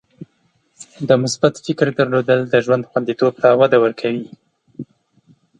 د مثبت فکر درلودل د ژوند خوندیتوب ته وده ورکوي.